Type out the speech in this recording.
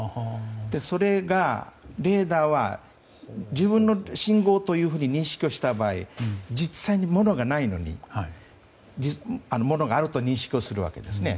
それが、レーダーは自分の信号と認識した場合実際にものがないのにものがあると認識するんですね。